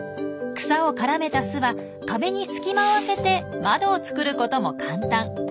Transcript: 草を絡めた巣は壁に隙間を開けて窓を作ることも簡単。